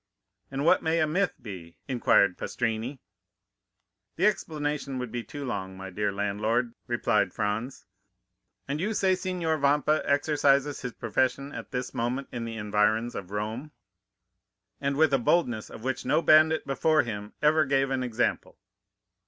"And what may a myth be?" inquired Pastrini. "The explanation would be too long, my dear landlord," replied Franz. "And you say that Signor Vampa exercises his profession at this moment in the environs of Rome?" "And with a boldness of which no bandit before him ever gave an example."